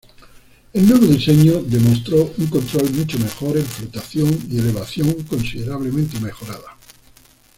El nuevo diseño demostró un control mucho mejor en flotación y elevación considerablemente mejorada.